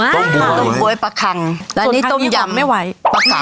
ต้มบ๊วยค่ะต้มบ๊วยต้มบ๊วยประคังแล้วนี้ต้มยำไม่ไหวประเกาค่ะ